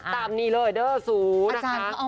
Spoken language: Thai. ตามนี้เลยเดอร์สูนะคะ